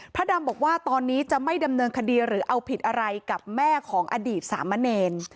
ดำบอกว่าตอนนี้จะไม่ดำเนินคดีหรือเอาผิดอะไรกับแม่ของอดีตสามเณร